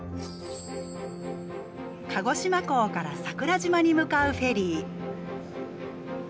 鹿児島港から桜島に向かうフェリー。